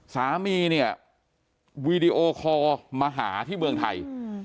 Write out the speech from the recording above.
สามีวีดีโอคอร์มาหาที่เมืองไทย